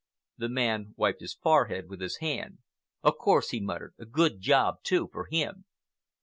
The man wiped his forehead with his hand. "Of course!" he muttered. "A good job, too, for him!"